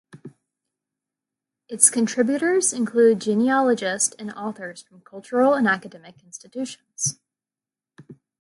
Its contributors include genealogists and authors from cultural and academic institutions.